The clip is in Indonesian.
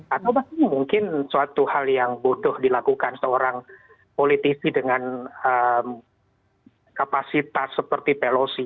atau bahkan mungkin suatu hal yang butuh dilakukan seorang politisi dengan kapasitas seperti pelosi